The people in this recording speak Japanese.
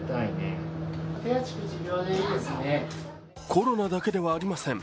コロナだけではありません。